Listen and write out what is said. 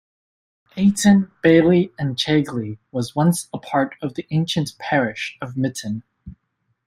Aighton, Bailey and Chaigley was once a part of the ancient parish of Mitton.